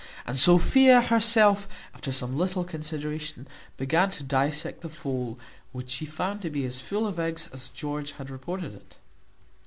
And Sophia, herself, after some little consideration, began to dissect the fowl, which she found to be as full of eggs as George had reported it.